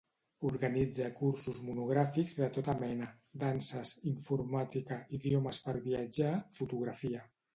Organitza cursos monogràfics de tota mena: danses, informàtica, idiomes per viatjar, fotografia.